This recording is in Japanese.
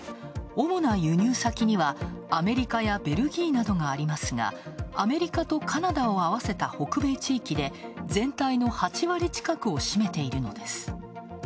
主な輸入先には、アメリカやベルギーなどがありますがアメリカとカナダを合わせた北米地域で全体の８割近くを占めているのです。